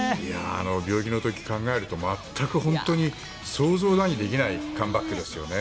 病気の時を考えると全く本当に想像だにできないＣＯＭＥＢＡＣＫですよね。